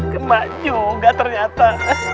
kema juga ternyata